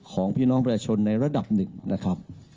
ของพี่น้องประชาชนในระดับหนึ่งนะครับ